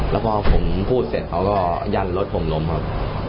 แล้วพอผมพูดเสร็จเขาก็ยันรถผมล้มครับ